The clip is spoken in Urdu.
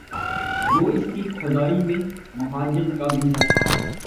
گو اس کی خدائی میں مہاجن کا بھی ہے ہاتھ